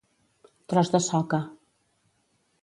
Tros de soca.